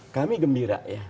kami gembira ya